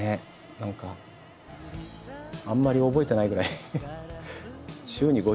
何かあんまり覚えてないぐらい。